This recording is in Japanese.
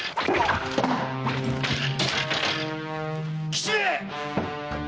吉兵衛！